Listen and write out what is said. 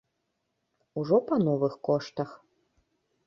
Ужо па новых коштах.